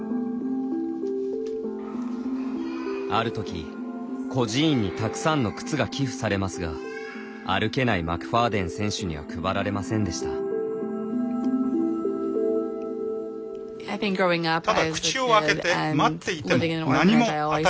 ある時、孤児院にたくさんの靴が寄付されますが歩けないマクファーデン選手には配られませんでした。